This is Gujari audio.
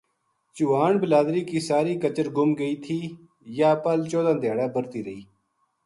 چوہان بلادری کی ساری کچر گُم گئی تھی یاہ پل چودہ دھیاڑا برہتی رہی